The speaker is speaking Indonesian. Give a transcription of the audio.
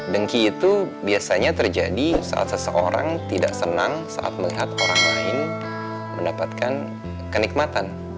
dengki itu biasanya terjadi saat seseorang tidak senang saat melihat orang lain mendapatkan kenikmatan